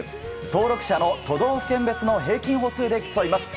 登録者の都道府県別の平均歩数で競います。